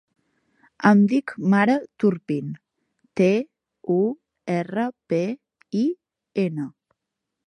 Em dic Mara Turpin: te, u, erra, pe, i, ena.